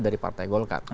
dari partai golkar